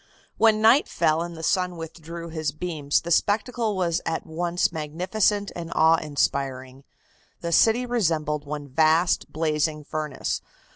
When night fell and the sun withdrew his beams the spectacle was one at once magnificent and awe inspiring. The city resembled one vast blazing furnace.